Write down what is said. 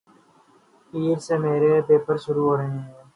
پیر سے میرے پیپر شروع ہورہے ھیںـ